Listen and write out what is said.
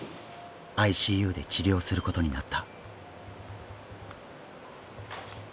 ＩＣＵで治療することになった。